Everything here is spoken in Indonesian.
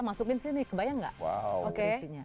masukin sini kebayang gak